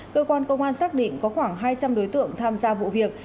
cơ quan công an xác định có khoảng hai trăm linh đối tượng tham gia vụ việc